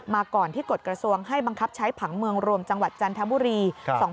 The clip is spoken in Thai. ก่อนที่กฎกระทรวงให้บังคับใช้ผังเมืองรวมจังหวัดจันทบุรี